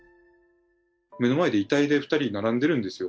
目の前で遺体で２人、並んでるんですよ。